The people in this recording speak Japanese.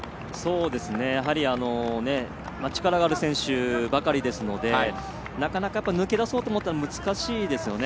やはり、力がある選手ばかりですのでなかなか、抜け出そうと思ったら難しいですよね。